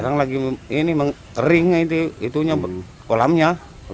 sekarang lagi ini mengering itu kolamnya